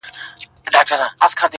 بس دعوه یې بې له شرطه و ګټله,